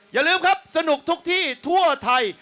อย่าลืมครับสนุกทุกที่ทั่วไทย